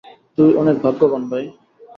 তুই অনেক ভাগ্যবান ভাই।